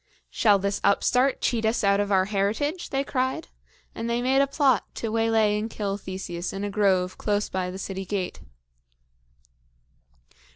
"Shall this upstart cheat us out of our heritage?" they cried; and they made a plot to waylay and kill Theseus in a grove close by the city gate.